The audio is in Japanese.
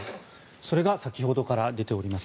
それが先ほどから出ております